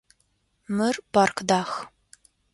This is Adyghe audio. Мыр парк дах.